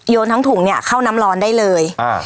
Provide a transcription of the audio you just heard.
ทั้งถุงเนี่ยเข้าน้ำร้อนได้เลย